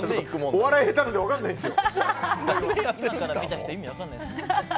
お笑い下手なんで分かんないんですよ。